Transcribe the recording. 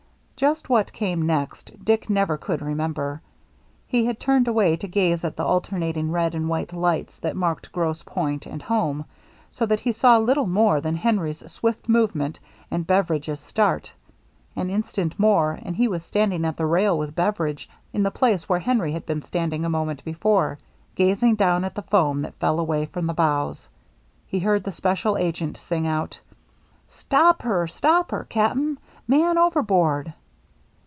Just what came next, Dick never could re member. He had turned away to gaze at the alternating red and white lights that marked Grosse Pointe and home, so that he saw little HARBOR LIGHTS 399 more than Henry's swift movement and Bever idge's start. An instant more and he was standing at the rail with Beveridge, in the place where Henry had been standing a moment before — gazing down at the foam that fell away from the bows. He heard the special agent sing out :" Stop her, stop her, Cap'n ! Man overboard